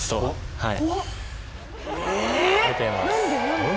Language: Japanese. はい。